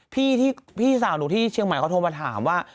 พี่สาวหนูที่เชียงใหม่เขาโทรมาถามว่า